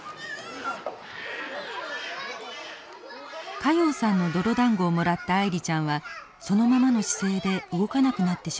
加用さんの泥だんごをもらったアイリちゃんはそのままの姿勢で動かなくなってしまいました。